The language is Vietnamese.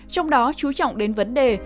trong đó chú trọng đến vấn đề